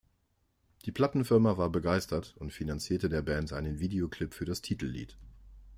Die Plattenfirma war begeistert und finanzierte der Band einen Videoclip für das Titellied.